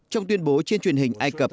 trong tuyên bố trên truyền hình ai cập